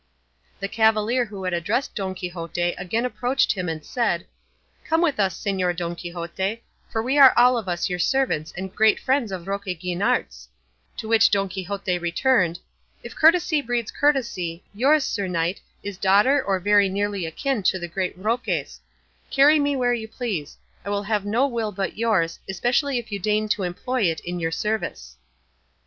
The cavalier who had addressed Don Quixote again approached him and said, "Come with us, Señor Don Quixote, for we are all of us your servants and great friends of Roque Guinart's;" to which Don Quixote returned, "If courtesy breeds courtesy, yours, sir knight, is daughter or very nearly akin to the great Roque's; carry me where you please; I will have no will but yours, especially if you deign to employ it in your service."